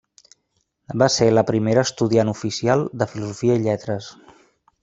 Va ser la primera estudiant oficial de Filosofia i Lletres.